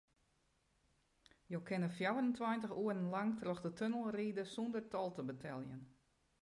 Jo kinne fjouwerentweintich oere lang troch de tunnel ride sûnder tol te beteljen.